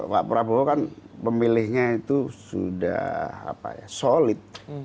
pak prabowo kan pemilihnya itu sudah solid